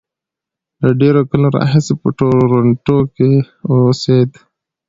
له ډېرو کلونو راهیسې په ټورنټو کې اوسېد.